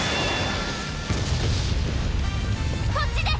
こっちです！